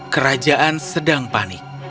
kerajaan sedang panik